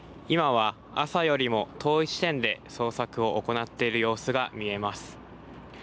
今は、朝よりも遠い地点で捜索を行っている様子が見えます。